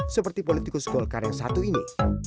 seperti politikus golkar yang satu ini